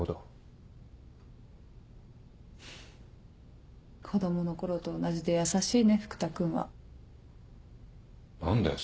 フッ子供の頃と同じで優しいね福多君は。何だよ？